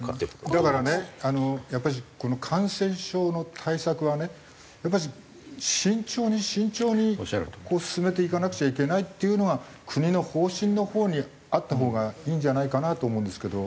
だからねこの感染症の対策はねやっぱし慎重に慎重に進めていかなくちゃいけないっていうのが国の方針のほうにあったほうがいいんじゃないかなと思うんですけど。